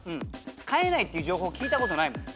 飼えないっていう情報を聞いたことないもん。